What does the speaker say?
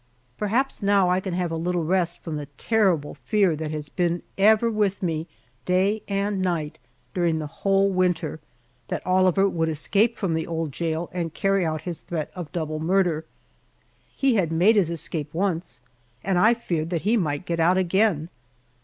Perhaps now I can have a little rest from the terrible fear that has been ever with me day and night during the whole winter, that Oliver would escape from the old jail and carry out his threat of double murder. He had made his escape once, and I feared that he might get out again.